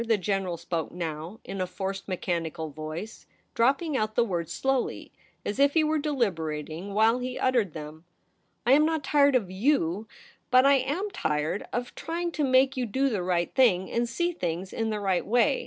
The General spoke now in a forced, mechanical voice, dropping out the words slowly, as if he were deliberating while he uttered them. ' I am not tired o{ yoti ; but I am tired of trying to THE PRINCESS AT HOME. 167 make you do the right thing and see things in the right way.